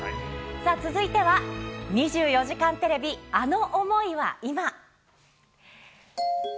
さあ、続いては２４時間テレビあの想いは今。